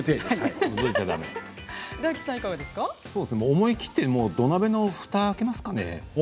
思い切って土鍋のふたを開けましょうかね。